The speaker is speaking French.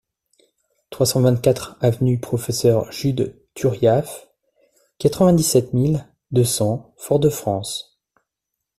trois cent vingt-quatre avenue Professeur Judes Turiaf, quatre-vingt-dix-sept mille deux cents Fort-de-France